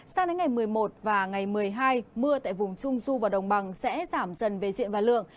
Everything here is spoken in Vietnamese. sang đến ngày một mươi một và ngày một mươi hai mưa tại vùng trung du và đồng bằng sẽ giảm dần về diện và lượng